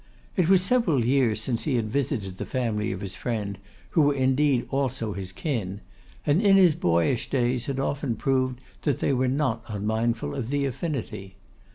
It was several years since he had visited the family of his friend, who were indeed also his kin; and in his boyish days had often proved that they were not unmindful of the affinity.